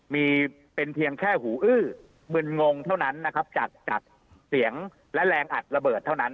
มีเป็นเพียงแค่หูอื้อมึนงงเท่านั้นนะครับจากจากเสียงและแรงอัดระเบิดเท่านั้น